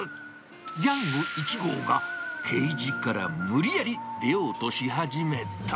ギャング１号がケージから無理やり出ようとし始めた。